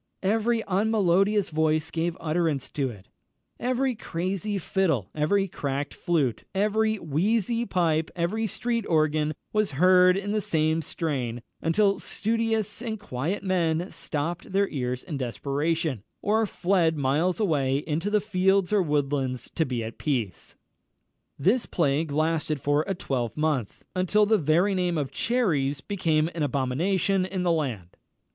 Every unmelodious voice gave utterance to it; every crazy fiddle, every cracked flute, every wheezy pipe, every street organ was heard in the same strain, until studious and quiet men stopped their ears in desperation, or fled miles away into the fields or woodlands to be at peace. This plague lasted for a twelvemonth, until the very name of cherries became an abomination in the land.